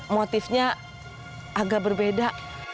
motifnya agak berbeda